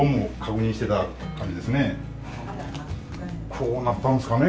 こうなったんですかね